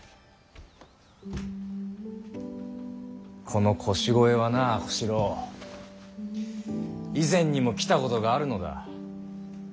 この腰越はな小四郎以前にも来たことがあるのだ。